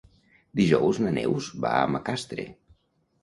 Dijous na Neus va a Macastre.